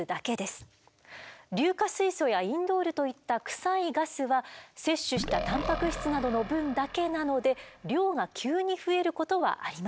硫化水素やインドールといったクサいガスは摂取したタンパク質などの分だけなので量が急に増えることはありません。